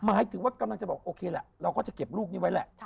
หมายถึงว่ากำลังจะบอกโอเคแหละเราก็จะเก็บลูกนี้ไว้แหละ